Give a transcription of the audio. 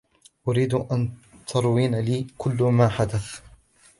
أريد أن تروين لي كلّ ما حدث.